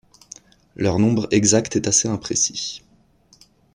Leur nombre exact est assez imprécis.